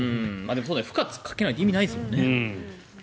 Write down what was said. でも負荷をかけないと意味がないですもんね。